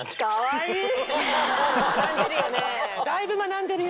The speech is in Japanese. だいぶ学んでるよ。